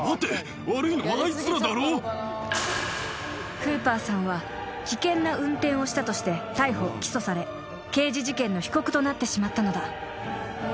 ［フーパーさんは危険な運転をしたとして逮捕起訴され刑事事件の被告となってしまったのだ］